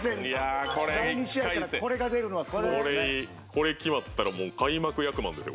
これ決まったら開幕役満ですよ。